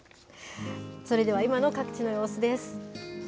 それでは今の各地の様子です。